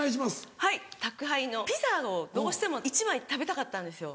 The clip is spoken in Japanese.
はい宅配のピザをどうしても１枚食べたかったんですよ。